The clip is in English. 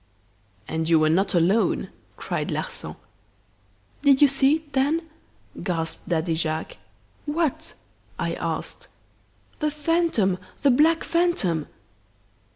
"'And you were not alone!' cried Larsan. "'Did you see it then?' gasped Daddy Jacques. "'What?' I asked. "'The phantom the black phantom!